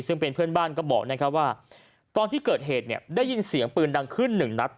ซึ่งเป็นเพื่อนบ้านก็บอกนะครับว่าตอนที่เกิดเหตุเนี่ยได้ยินเสียงปืนดังขึ้นหนึ่งนัด